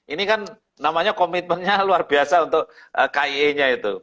ini kan namanya komitmennya luar biasa untuk kie nya itu